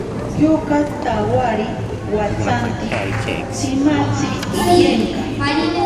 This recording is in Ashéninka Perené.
Yoka tawari watsanti tsimatzi iyenka.